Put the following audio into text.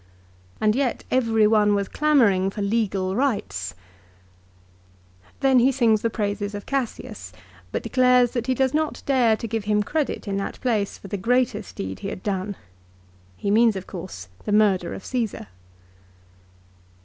And yet, every one was clamouring for legal rights 1 Then he sings the praises of Cassius, but declares that he does not dare to give him credit in that place for the greatest deed he had done. He means of course the murder of Cassar.